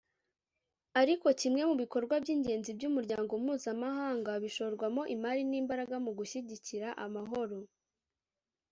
ari kimwe mu bikorwa by’ingenzi by’umuryango mpuzamahanga bishorwamo imari n’imbaraga mu gushyigikira amahoro